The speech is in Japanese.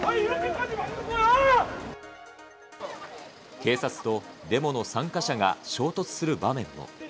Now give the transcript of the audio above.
警察とデモの参加者が衝突する場面も。